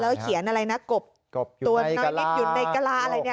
แล้วก็เขียนอะไรนะกบตัวน้อยนิดอยู่ในกะลาอะไรเนี่ย